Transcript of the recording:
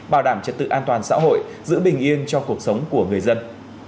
bảo đảm trật tự an toàn xã hội giữ bình yên cho cuộc sống của người dân